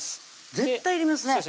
絶対いりますね